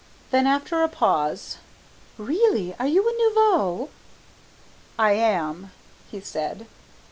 Then after a pause, "Really are you a nouveau?" "I am," he said.